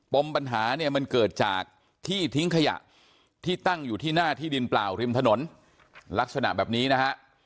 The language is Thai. มปัญหาเนี่ยมันเกิดจากที่ทิ้งขยะที่ตั้งอยู่ที่หน้าที่ดินเปล่าริมถนนลักษณะแบบนี้นะฮะ